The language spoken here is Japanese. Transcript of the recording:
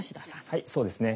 はいそうですね。